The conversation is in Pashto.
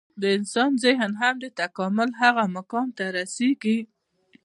د انسان ذهن هم د تکامل هغه مقام ته رسېږي.